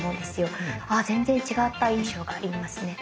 全然違った印象がありますね。